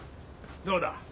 どうだ？